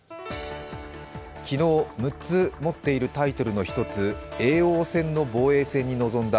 昨日、６つ持っているタイトルの１つ叡王戦の防衛戦に臨んだ